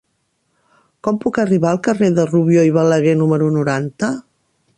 Com puc arribar al carrer de Rubió i Balaguer número noranta?